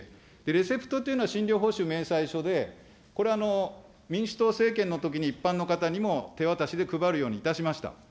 レセプトというのは診療報酬明細書で、これ、民主党政権のときに一般の方にも手渡しで配るようにいたしました。